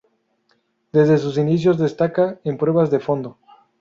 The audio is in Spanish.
Desde sus inicios destaca en pruebas de fondo.